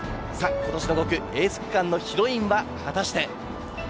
ことしの５区エース区間のヒロインは果たして？